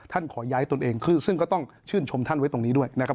ขอย้ายตนเองซึ่งก็ต้องชื่นชมท่านไว้ตรงนี้ด้วยนะครับ